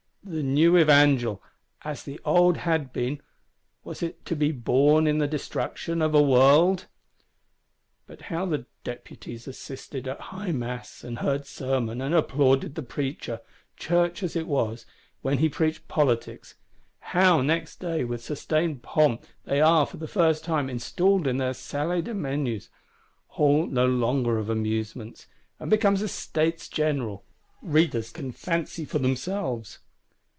The new Evangel, as the old had been, was it to be born in the Destruction of a World? But how the Deputies assisted at High Mass, and heard sermon, and applauded the preacher, church as it was, when he preached politics; how, next day, with sustained pomp, they are, for the first time, installed in their Salles des Menus (Hall no longer of Amusements), and become a States General,—readers can fancy for themselves.